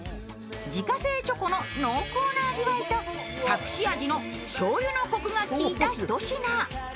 自家製チョコの濃厚な味わいと隠し味のしょうゆのこくが利いたひと品。